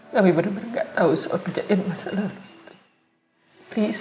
kami benar benar gak tahu soal kejadian masa lalu